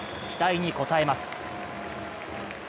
期待に応えます。